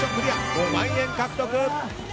５万円獲得。